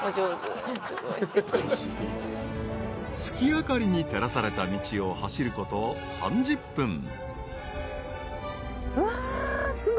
［月明かりに照らされた道を走ること３０分］